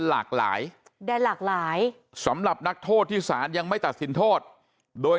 หลากหลายได้หลากหลายสำหรับนักโทษที่สารยังไม่ตัดสินโทษโดย